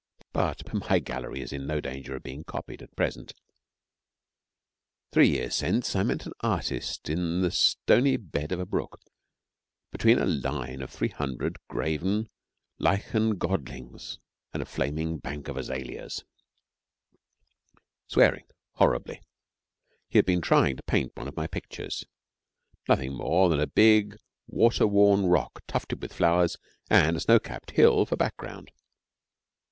But my gallery is in no danger of being copied at present. Three years since, I met an artist in the stony bed of a brook, between a line of 300 graven, lichened godlings and a flaming bank of azaleas, swearing horribly. He had been trying to paint one of my pictures nothing more than a big water worn rock tufted with flowers and a snow capped hill for background.